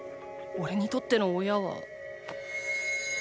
おれにとっての親は。